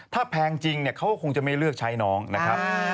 ถ้าแพงจริงเขาก็คงจะไม่เลือกใช้น้องนะครับ